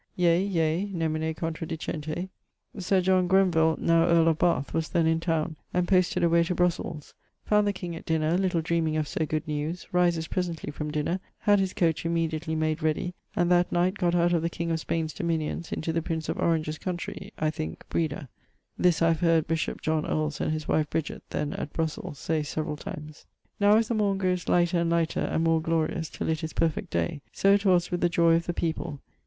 'Yea, yea,' nemine contradicente. Sir John Greenvill (now earle of Bathe) was then in towne, and posted away to Bruxells; found the king at dinner, little dreaming of so good newes, rises presently from dinner, had his coach immediately made readie, and that night gott out of the king of Spaine's dominions into the prince of Orange's country, I thinke, Breda[XXXIII.]. [XXXIII.] This I have heard bishop John Earles and his wife Bridget, then at Bruxells, say, severall times. Now, as the morne growes lighter and lighter, and more glorious, till it is perfect day, soit was with the joy of the people.